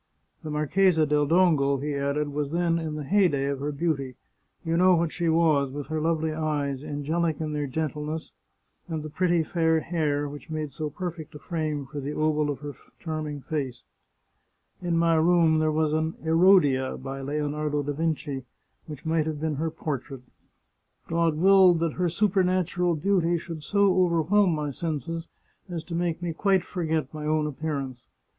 " The Marchesa del Dongo," he added, " was then in the heyday of her beauty. You know what she was, with her lovely eyes, angelic in their gentleness, and the pretty, fair hair, which made so perfect a frame for the oval of her charming face. In my room there was an Herodia, by Leonardo da Vinci, which might have been her portrait. God willed that her supernatural beauty should so over whelm my senses as to make me quite forget my own 4 The Chartreuse of Parma appearance.